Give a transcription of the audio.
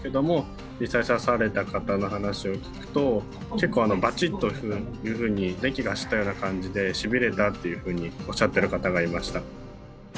結構バチッというふうに電気が走ったような感じでしびれたというふうにおっしゃってる方がいました。